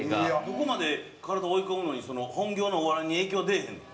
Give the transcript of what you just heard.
ここまで体追い込むのに本業のお笑いに影響出えへんの？